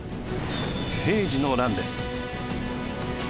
平治の乱です。